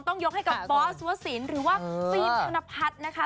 ต้องยกให้กับบอสวสินหรือว่าฟิล์มธนพัฒน์นะคะ